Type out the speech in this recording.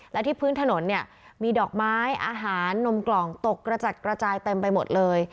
และที่พื้นถนนเนี่ยมีดอกไม้อาหารนมกล่องตกกระจัดกระจายเต็มไปหมดเลย